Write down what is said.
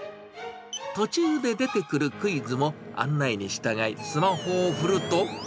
途中で出てくるクイズも、案内に従い、スマホを振ると。